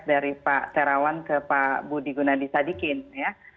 dari pak terawan ke pak budi gunadisadikin ya